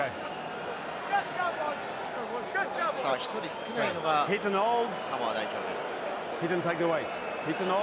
１人少ないのはサモア代表です。